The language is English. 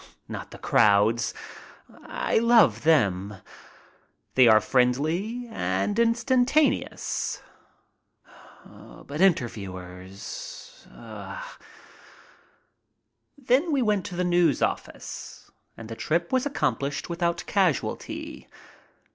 Not the crowds. I love them. They are friendly and instantaneous. But interviewers! Then we went to the News office, and the trip was accomplished without casualty.